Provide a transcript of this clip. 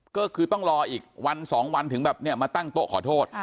ก็คือต้องรออีกวัน๒วันถึงมาตั้งโต๊ะขอโทษ